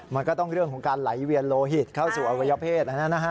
มันก็ต้องเรื่องของการไหลเวียนโลหิตเข้าสู่อวัยเพศ